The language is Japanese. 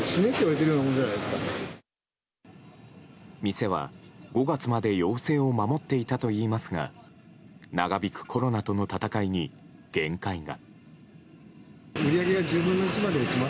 店は、５月まで要請を守っていたといいますが長引くコロナとの闘いに限界が。